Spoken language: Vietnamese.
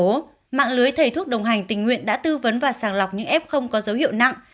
theo sở y tế tp hcm mạng lưới thầy thuốc đồng hành tình nguyện đã tư vấn và sàng lọc những f có dấu hiệu nặng